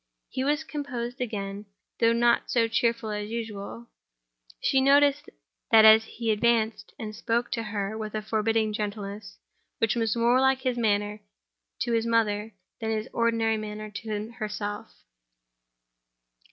He was composed again, though not so cheerful as usual. She noticed that he advanced and spoke to her with a forbearing gentleness, which was more like his manner to her mother than his ordinary manner to herself.